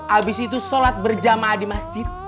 habis itu sholat berjamaah di masjid